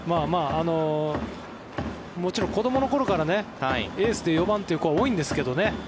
もちろん子どもの頃からエースで４番という子は多いんですけどね。